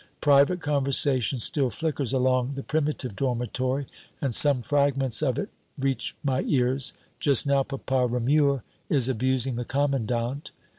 Private conversation still flickers along the primitive dormitory, and some fragments of it reach my ears. Just now, Papa Ramure is abusing the commandant.